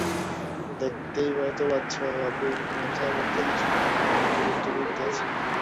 দেখতেই তো পাচ্ছ বাপু মাথার মধ্যে কিছুই থাকে না, কেবল দুর্বুদ্ধি আছে।